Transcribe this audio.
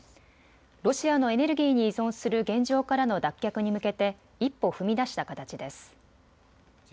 ロシアのエネルギーに依存する現状からの脱却に向けて一歩踏み出した形です。